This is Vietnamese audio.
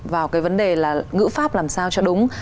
vào cái vấn đề là ngữ pháp làm sao cho đúng